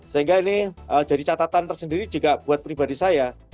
sehingga ini jadi catatan tersendiri juga buat pribadi saya